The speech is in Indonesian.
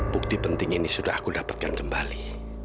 bukti penting ini sudah aku dapatkan kembali